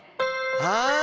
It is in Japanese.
はい。